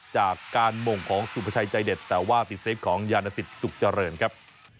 จากการหม่งของสุภาชัยใจเด็ดแต่ว่าติดเซฟของยานสิทธิสุขเจริญครับ